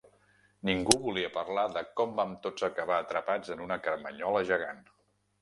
Ningú volia parlar de cóm vam tots acabar atrapats en una carmanyola gegant.